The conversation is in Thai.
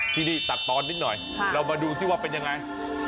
ที่นี่ตัดตอนนิดหน่อยเรามาดูซิว่าเป็นยังไง